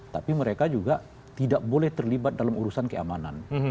tapi mereka juga tidak boleh terlibat dalam urusan keamanan